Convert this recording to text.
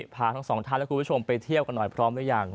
พาทั้งสองท่านและคุณผู้ชมไปเที่ยวกันหน่อยพร้อมหรือยัง